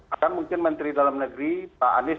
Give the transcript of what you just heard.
akan mungkin menteri dalam negeri pak anies